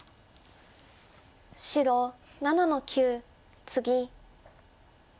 白７の九ツギ。